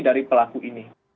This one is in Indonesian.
dari pelaku ini